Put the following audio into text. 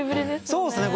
そうですね